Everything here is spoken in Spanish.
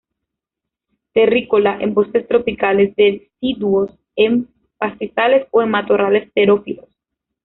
Terrícola, en bosques tropicales deciduos, en pastizales o en matorrales xerófilos.